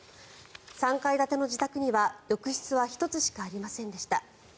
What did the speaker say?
３階建ての自宅には、浴室は１つしかありませんでした。